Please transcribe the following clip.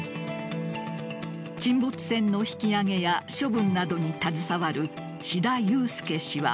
沈没船の引き揚げや処分などに携わる信太裕介氏は。